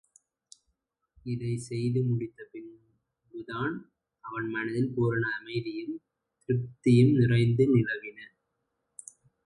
இதைச் செய்து முடித்த பின்புதான் அவன் மனத்தில் பூரண அமைதியும் திருப்தியும் நிறைந்து நிலவின.